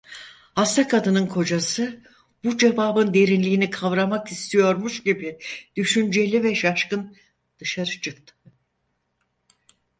Hasta kadının kocası, bu cevabın derinliğini kavramak istiyormuş gibi düşünceli ve şaşkın, dışarı çıktı.